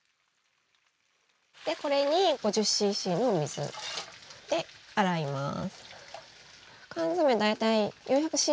これに５０ｃｃの水で洗います。